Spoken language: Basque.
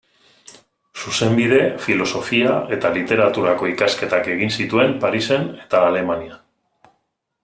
Zuzenbide, Filosofia eta Literaturako ikasketak egin zituen, Parisen eta Alemanian.